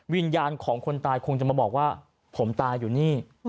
วิญญาณของคนตายคงจะมาบอกว่าผมตายอยู่นี่